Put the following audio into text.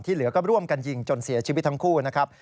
เหลือก็ร่วมกันยิงจนเสียชีวิตทั้งคู่นะครับ